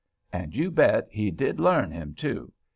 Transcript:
And you bet you he did learn him, too.